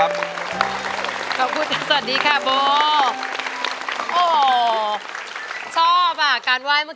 มาพบกับน้องโบเด็กผู้หญิงจากศรีสเกตผู้ไม่เคยปฏิเสธงานหนักครับเชิญครับ